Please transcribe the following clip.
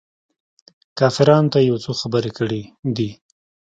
کافرانو ته يې يو څو خبرې کړي دي.